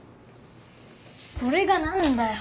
それがなんだよ！